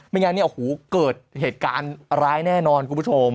งั้นเนี่ยโอ้โหเกิดเหตุการณ์ร้ายแน่นอนคุณผู้ชม